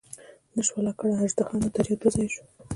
نه شوه لکړه اژدها نه دریاب دوه ځایه شو.